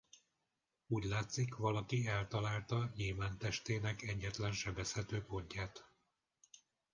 Úgy látszik valaki eltalálta gyémánt-testének egyetlen sebezhető pontját.